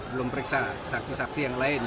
belum periksa saksi saksi yang lain